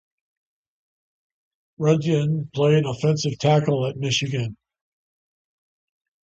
Runyan played offensive tackle at Michigan.